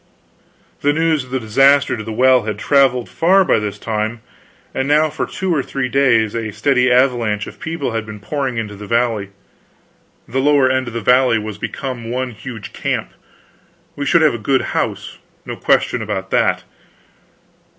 The news of the disaster to the well had traveled far by this time; and now for two or three days a steady avalanche of people had been pouring into the valley. The lower end of the valley was become one huge camp; we should have a good house, no question about that.